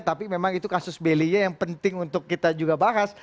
tapi memang itu kasus belia yang penting untuk kita juga bahas